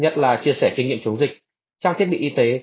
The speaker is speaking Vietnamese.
nhất là chia sẻ kinh nghiệm chống dịch trang thiết bị y tế